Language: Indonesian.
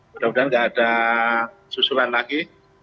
mudah mudahan tidak ada susulan lagi